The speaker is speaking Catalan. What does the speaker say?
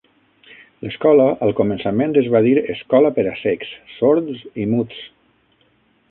L'escola, al començament, es va dir "Escola per a cecs, sords i muts".